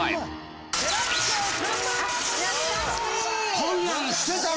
こんなんしてたわ。